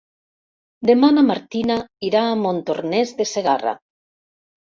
Demà na Martina irà a Montornès de Segarra.